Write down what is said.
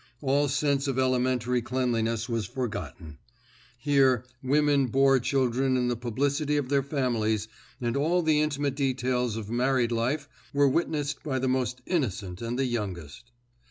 All sense of elementary cleanliness was forgotten. Here women bore children in the publicity of their families and all the intimate details of married life were witnessed by the most innocent and the youngest.